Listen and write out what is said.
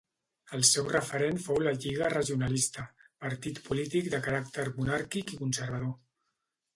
El seu referent fou la Lliga Regionalista, partit polític de caràcter monàrquic i conservador.